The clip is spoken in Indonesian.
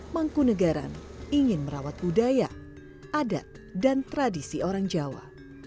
mangkunagaran ingin merawat budaya adat dan tradisi orang jawa